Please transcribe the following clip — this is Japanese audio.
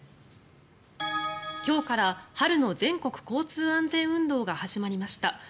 今日から春の全国交通安全運動が始まりました。